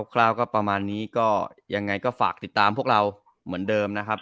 คราวก็ประมาณนี้ก็ยังไงก็ฝากติดตามพวกเราเหมือนเดิมนะครับ